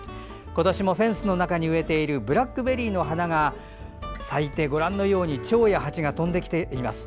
今年もフェンスの中に植えているブラックベリーの花が咲いてチョウやハチが飛んできています。